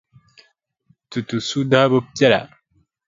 Tutu suhu daa bi piɛla.